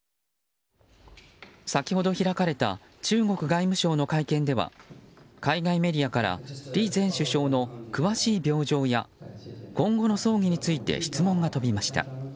先ほど開かれた中国外務省の会見では海外メディアから李前首相の詳しい病状や今後の葬儀について質問が飛びました。